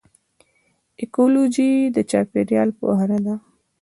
ایکیولوژي د چاپیریال پوهنه ده